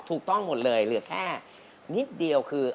ถูกต้องหมดเลยเหลือแค่นิดเดียวคือ